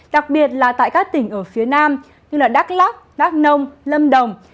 đặc biệt là tại các tỉnh ở phía nam như đắk lắc đắk nông lâm đồng